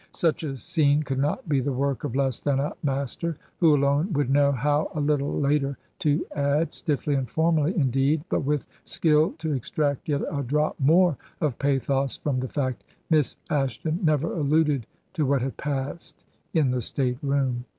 Such a scene could not be the work of less thaji a mas ter, who alone would know how a little later to add, stiffly and formally, indeed, but with skill to extract yet a drop more of pathos from the fact, "Miss Ashton never alluded to what had passed in the state room.